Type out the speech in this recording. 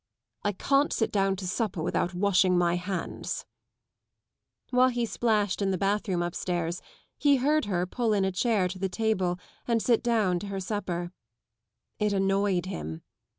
" I can't sit down to supper without washing my hands I '' While he splashed in the bathroom upstairs he heard her pull in a chair to the table and sit down to her supper. It annoyed him.